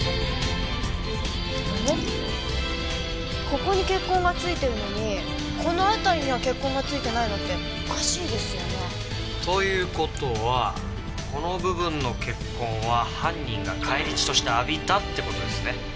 ここに血痕が付いてるのにこの辺りには血痕が付いてないのっておかしいですよね？という事はこの部分の血痕は犯人が返り血として浴びたって事ですね。